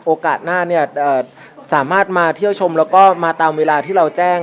โอกาสหน้าเนี่ยสามารถมาเที่ยวชมแล้วก็มาตามเวลาที่เราแจ้ง